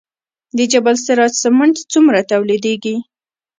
د جبل السراج سمنټ څومره تولیدیږي؟